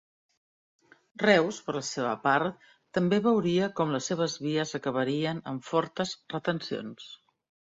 Reus, per la seva part, també veuria com les seves vies acabarien amb fortes retencions.